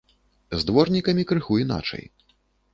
З дворнікамі крыху іначай.